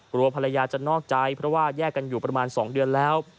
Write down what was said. กลัวภรรยาจะนอกใจเพราะว่าแยกกันอยู่ประมาณ๒เดือนแล้ว